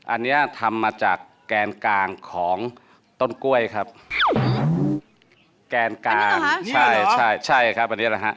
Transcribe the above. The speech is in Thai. อันนี้ทำมาจากแกนกลางของต้นกล้วยครับอ๋อ